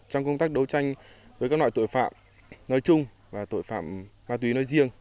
trong công tác đấu tranh với các loại tội phạm nói chung và tội phạm ma túy nói riêng